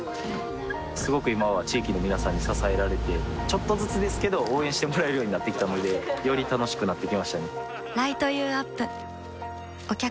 すごく今は地域の皆さんに支えられてちょっとずつですけど応援してもらえるようになってきたのでより楽しくなってきましたね